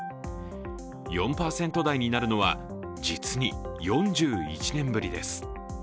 ４％台になるのは実に４１年ぶりです。